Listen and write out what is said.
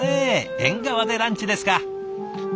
縁側でランチですか。